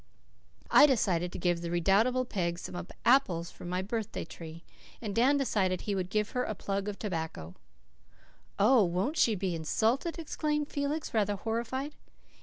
I decided to give the redoubtable Peg some apples from my birthday tree, and Dan declared he would give her a plug of tobacco. "Oh, won't she be insulted?" exclaimed Felix, rather horrified.